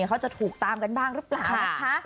เขาจะถูกตามกันบ้างรึเปล่าค่ะ